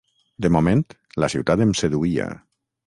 De moment, la ciutat em seduïa.